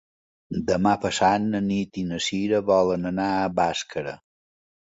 Demà passat na Nit i na Cira volen anar a Bàscara.